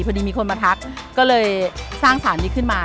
พอดีมีคนมาทักก็เลยสร้างสารนี้ขึ้นมา